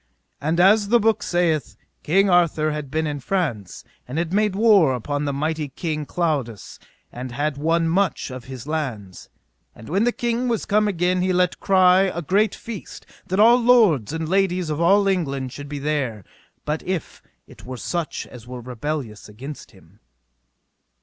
And as the book saith, King Arthur had been in France, and had made war upon the mighty King Claudas, and had won much of his lands. And when the king was come again he let cry a great feast, that all lords and ladies of all England should be there, but if it were such as were rebellious against him.